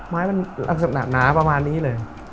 ไม้มันลักษณะหนาประมาณนี้เลย